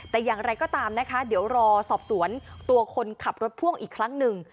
แต่อย่างไรก็ตามนะคะเดี๋ยวรอสอบสวนตัวคนขับรถพ่วงอีกครั้งหนึ่ง